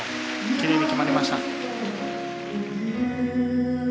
きれいに決まりました。